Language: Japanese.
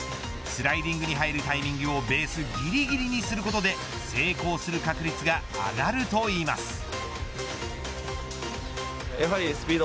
スライディングに入るタイミングをベースぎりぎりにすることで成功する確率が上がるといいます。